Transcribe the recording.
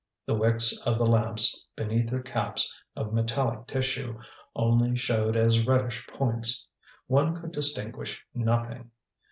The wicks of the lamps beneath their caps of metallic tissue only showed as reddish points. One could distinguish nothing.